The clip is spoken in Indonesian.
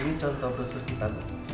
ibu ini contoh busur kita